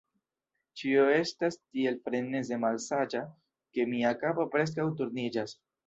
Ĉio estas tiel freneze malsaĝa, ke mia kapo preskaŭ turniĝas.